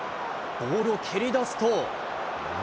ボールを蹴り出すと。